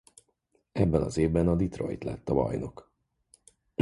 Ebben az évben a Detroit lett a bajnok.